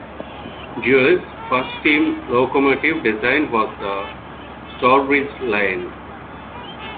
Jervis' first steam locomotive design was the "Stourbridge Lion".